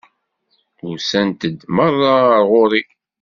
Usant-d meṛṛa ar ɣur-i!